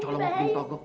pak calangok pintu aku